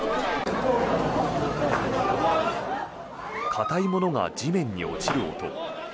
硬いものが地面に落ちる音。